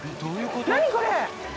何これ！